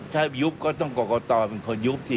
ถ้ายุบก็ต้องกรกตเป็นคนยุบสิ